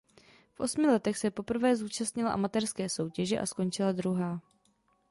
V osmi letech se poprvé zúčastnila amatérské soutěže a skončila druhá.